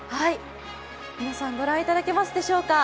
皆さん、御覧いただけますでしょうか。